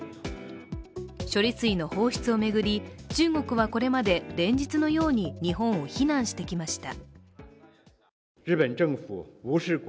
処理水の放出を巡り、中国はこれまで、連日のように日本を非難してきました。